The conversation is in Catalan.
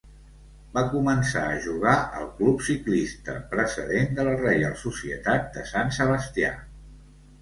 Va començar a jugar al Club Ciclista, precedent de la Reial Societat de Sant Sebastià.